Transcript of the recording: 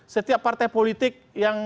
setiap partai politik yang